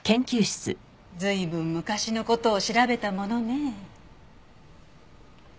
随分昔の事を調べたものねえ。